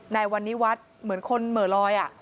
นายวันนิวัตลูกชายเหมือนคนเหมือลอยอะ